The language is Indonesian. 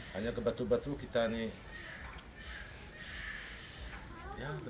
hanya kebetulan kita ini